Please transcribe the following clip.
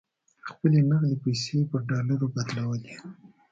خپلې نغدې پیسې یې پر ډالرو بدلولې.